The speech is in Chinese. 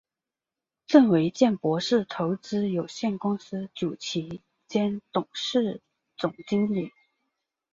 郑维健博士投资有限公司主席兼董事总经理。